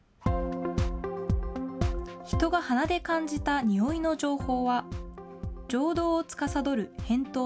人が鼻で感じた匂いの情報は、情動をつかさどるへんとう